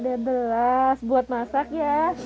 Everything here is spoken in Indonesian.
ada belas buat masak ya